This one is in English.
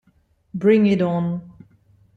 Bring it on.